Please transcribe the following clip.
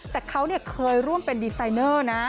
แต่เขาเคยร่วมเป็นดีไซเนอร์นะ